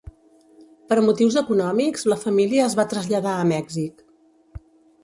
Per motius econòmics, la família es va traslladar a Mèxic.